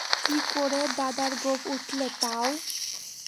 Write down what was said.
কী করে দাদার গোঁফ উঠল, তাও?